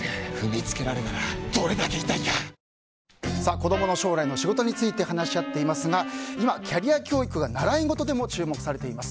子供の将来の仕事について話し合っていますが今、キャリア教育が習い事でも注目されています。